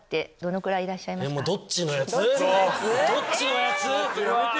どっちのやつ